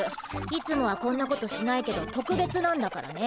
いつもはこんなことしないけどとくべつなんだからね。